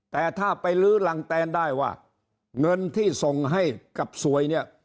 แต่ถ้าไปลื้อรังแตนได้ว่าเงินที่ส่งให้กับสวยเนี่ย